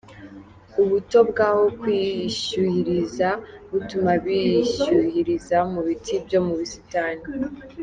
Ubuto bw'aho kwishyuhiriza butuma bishyuhiriza mu biti byo mu busitani.